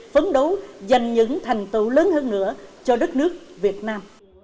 phấn đấu dành những thành tựu lớn hơn nữa cho đất nước việt nam